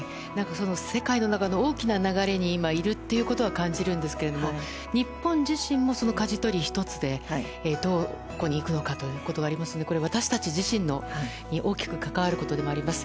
世界の中の大きな流れに今、いるということは感じるんですけれども日本自身もかじ取り一つでどこに行くのかということがありますので私たち自身に大きく関わることでもあります。